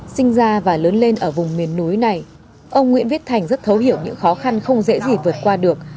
sinh ra và lớn lên ở vùng miền núi này ông nguyễn viết thành rất thấu hiểu những khó khăn không dễ gì vượt qua được